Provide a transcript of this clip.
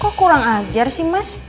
kok kurang ajar sih mas